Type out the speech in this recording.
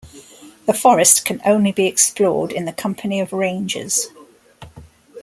The forest can only be explored in the company of rangers.